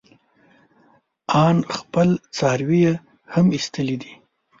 ان خپل څاروي يې هم ايستلي دي.